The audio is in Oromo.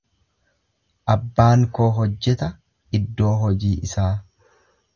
Abbaan koo hojjeta iddoo hojii isaa.